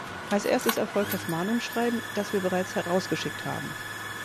Als Erstes erfolgt das Mahnungsschreiben, das wir bereits herausgeschickt haben.